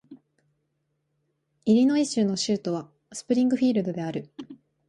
イリノイ州の州都はスプリングフィールドである